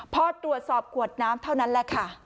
พอตรวจสอบขวดน้ำเท่านั้นแหละค่ะ